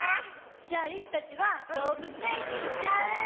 じゃあゆきたちはどうぶつえんにいっちゃう？